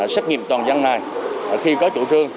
xét nghiệm toàn dân này khi có chủ trương